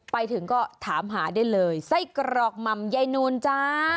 ไปถึงก็ถามหาได้เลยรายสายกรอกมัมยายนูนจ้า